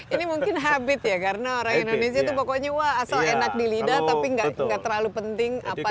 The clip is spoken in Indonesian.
ini mungkin habit ya karena orang indonesia itu pokoknya wah asal enak di lidah tapi nggak terlalu penting apa